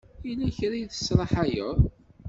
Yella kra i tesraḥayeḍ?